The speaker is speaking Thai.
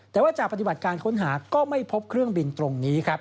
แต่ว่าจากปฏิบัติการค้นหาก็ไม่พบเครื่องบินตรงนี้ครับ